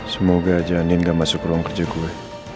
semoga janin gak masuk ruang kerja gue